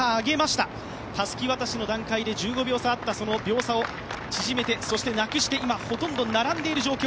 たすき渡しの段階で１５秒差あった秒差を縮めてそしてなくして、今、ほとんど並んでいる状況。